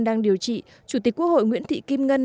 đang điều trị chủ tịch quốc hội nguyễn thị kim ngân